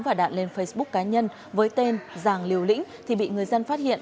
và đạn lên facebook cá nhân với tên giàng liều lĩnh thì bị người dân phát hiện